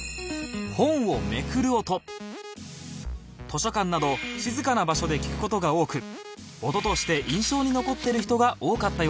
図書館など静かな場所で聴く事が多く音として印象に残っている人が多かったようです